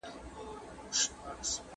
ډېر وخت دا مبارزه ناکامه وي.